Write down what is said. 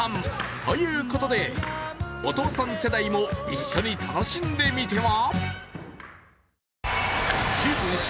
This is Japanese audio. ということでお父さん世代も一緒に楽しんでみては？